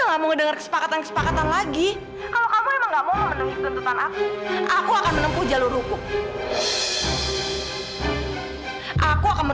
kamu pengen menempuh dengan jalur hukum